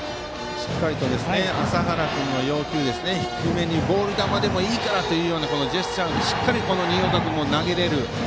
しっかりと麻原君の要求低めにボール球でもいいからというジェスチャーにしっかり新岡君も投げられると。